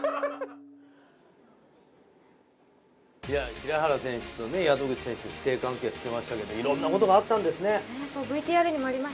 平原選手と宿口選手の師弟関係、いろんなことがあったんですね。